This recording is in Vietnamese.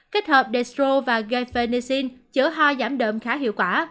kết hợp dextrose và guifenazine chữa ho giảm đờm khá hiệu quả